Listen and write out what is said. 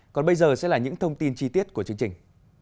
còn bây giờ sẽ là những thông tin chi tiết của chương trình